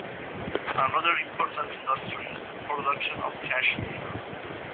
Another important industry is the production of cashmere.